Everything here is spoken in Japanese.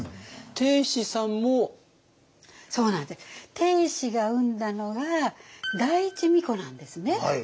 定子が産んだのが第一皇子なんですね。